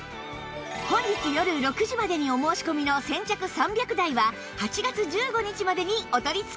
本日よる６時までにお申し込みの先着３００台は８月１５日までにお取り付け！